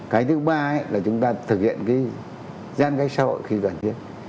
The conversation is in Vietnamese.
cái thứ ba là chúng ta thực hiện cái giãn cách xã hội khi cần thiết